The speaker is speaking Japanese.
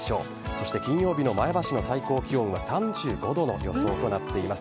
そして金曜日の前橋の最高気温は３５度の予想となっています。